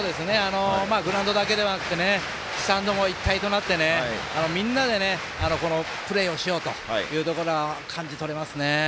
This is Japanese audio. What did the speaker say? グラウンドだけでなくてスタンドも一体となってみんなでプレーをしようというのが感じ取れますね。